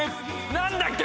何だっけ